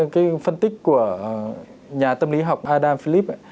cái phân tích của nhà tâm lý học adam philips